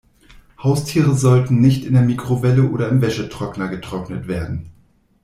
Haustiere sollten nicht in der Mikrowelle oder im Wäschetrockner getrocknet werden.